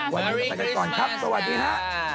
วันนี้ก็ไปกันก่อนครับสวัสดีฮะ